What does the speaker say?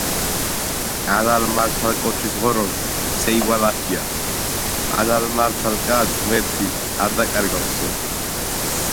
ალალ-მართალ კოჩის ღორონთი ვემიოდინუანსია.„ალალ-მართალ კაცს ღმერთი არ დაკარგავსო“